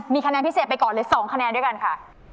มีคะแนนพิเศษไปก่อนเลย๒คะแนนด้วยกันค่ะ